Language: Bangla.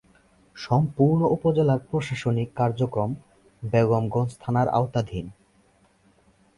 সম্পূর্ণ উপজেলার প্রশাসনিক কার্যক্রম বেগমগঞ্জ থানার আওতাধীন।